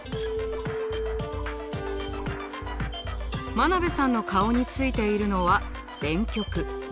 真鍋さんの顔についているのは電極。